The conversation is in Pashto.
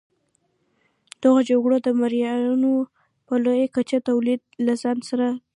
دغو جګړو د مریانو په لویه کچه تولید له ځان سره درلود.